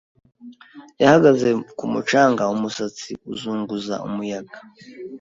Yahagaze ku mucanga umusatsi uzunguza umuyaga.